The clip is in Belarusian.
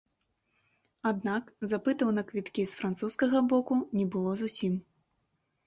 Аднак запытаў на квіткі з французскага боку не было зусім.